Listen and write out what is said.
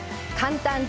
簡単！